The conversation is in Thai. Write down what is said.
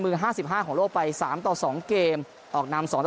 มือห้าสิบห้าของโลกไปสามต่อสองเกมออกนำสองต่อ